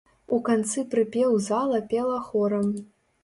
У канцы прыпеў зала пела хорам.